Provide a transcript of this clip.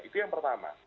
itu yang pertama